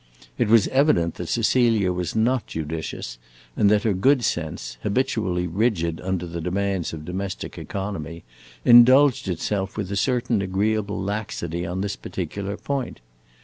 It was evident that Cecilia was not judicious, and that her good sense, habitually rigid under the demands of domestic economy, indulged itself with a certain agreeable laxity on this particular point.